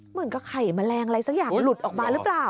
เหมือนกับไข่แมลงอะไรสักอย่างหลุดออกมาหรือเปล่า